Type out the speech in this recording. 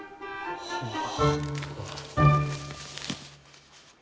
はあ。